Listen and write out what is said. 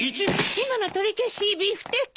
今の取り消しビフテキ。